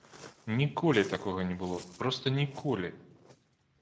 Ніколі такога не было, проста ніколі.